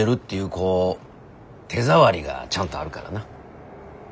こう手触りがちゃんとあるからな。